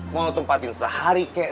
mau tempatin sehari kek